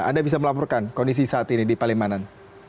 anda bisa melaporkan kondisi saat ini di palimanan